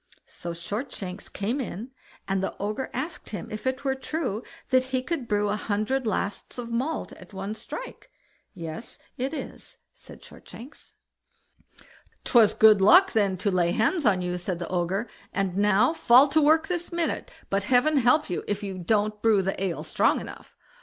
So Shortshanks came in, and the Ogre asked him if it were true that he could brew a hundred lasts of malt at a strike? "Yes it is", said Shortshanks. "Twas good luck then to lay hands on you", said the Ogre, "and now fall to work this minute; but heaven help you if you don't brew the ale strong enough."